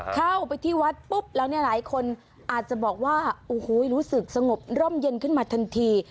เข้าไปที่วัดปุ๊บแล้วเนี่ยหลายคนอาจจะบอกว่าโอ้โหรู้สึกสงบร่มเย็นขึ้นมาทันที